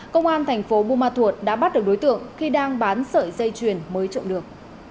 công an thành phố buôn ma thuột đã bắt được đối tượng khi đang bán sợi dây chuyền mới trộm được